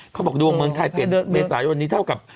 เขาบอกดวงเมืองไทยเปลี่ยนด้วยเมษายนนี้เท่ากับ